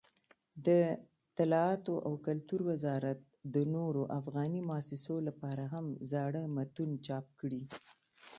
دطلاعاتو او کلتور وزارت د نورو افغاني مؤسسو سره هم زاړه متون چاپ کړي.